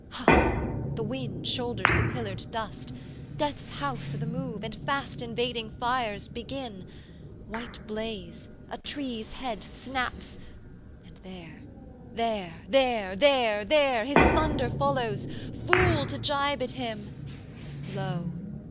Ha! The wind Shoulders the pillared dust, death's house o' the move, And fast invading fires begin! White blaze A tree's head snaps and there, there, there, there, there, 290 His thunder follows! Fool to gibe at Him! Lo!